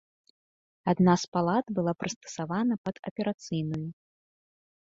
Адна з палат была прыстасавана пад аперацыйную.